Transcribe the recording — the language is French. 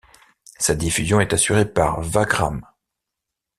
Sa diffusion est assurée par Wagram.